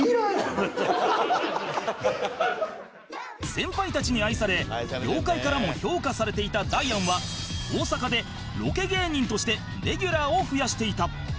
先輩たちに愛され業界からも評価されていたダイアンは大阪でロケ芸人としてレギュラーを増やしていた